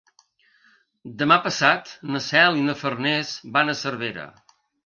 Demà passat na Cel i na Farners van a Cervera.